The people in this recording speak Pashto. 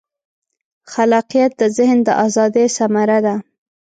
خلاقیت د ذهن د ازادۍ ثمره ده.